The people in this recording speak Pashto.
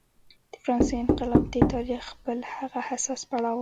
د فرانسې انقلاب د تاریخ بل هغه حساس پړاو و.